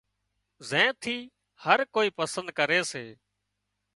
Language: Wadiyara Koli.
زين ٿي هر ڪوئي پسند ڪري سي